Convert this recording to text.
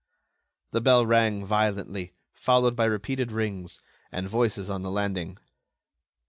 The bell rang violently, followed by repeated rings, and voices on the landing.